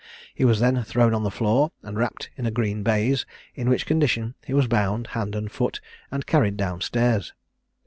He was then thrown on the floor, and wrapped in a green baize, in which condition he was bound hand and foot, and carried down stairs.